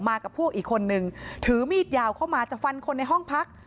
กับพวกอีกคนนึงถือมีดยาวเข้ามาจะฟันคนในห้องพัก